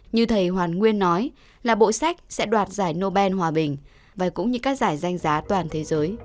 như thầy hoàn nguyên nói là bộ sách sẽ đoạt giải nobel hòa bình và cũng như các giải danh giá toàn thế giới